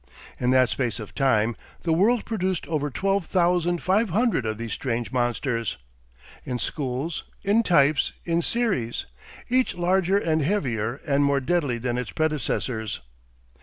In that space of time the world produced over twelve thousand five hundred of these strange monsters, in schools, in types, in series, each larger and heavier and more deadly than its predecessors.